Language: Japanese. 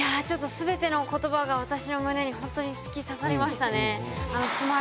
全ての言葉が私の胸にホントに突き刺さりましたね。